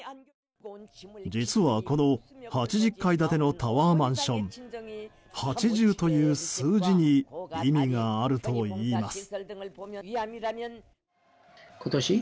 実は、この８０階建てのタワーマンション８０という数字に意味があるといいます。